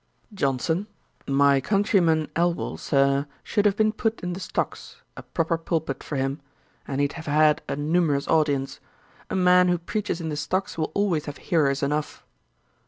JOHNSON. 'My countryman, Elwal, Sir, should have been put in the stocks; a proper pulpit for him; and he'd have had a numerous audience. A man who preaches in the stocks will always have hearers enough.'